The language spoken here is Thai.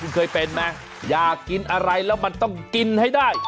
คุณเคยเป็นไหมอยากกินอะไรแล้วมันต้องกินให้ได้